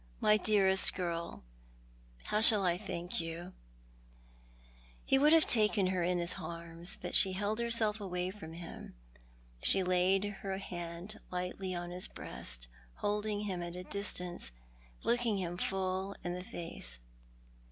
My dearest girl/how shall I thank you ?" He would have taken her in his arms, but she held herself away from him. Slie laid her hand lightly on his breast, holding him at a distance, looking him full in the face.